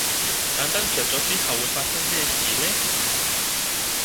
盏燈着咗之後會發生咩事呢